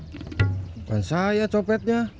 bukan saya copetnya